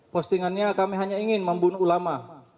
postingannya kami hanya ingin membunuh ulama